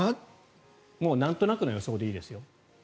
なんとなくの予想でいいですよ。